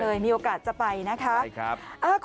ดีจังเลยมีโอกาสจะไปนะฮะไปครับ